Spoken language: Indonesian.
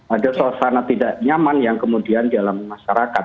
ada suasana tidak nyaman yang kemudian dialami masyarakat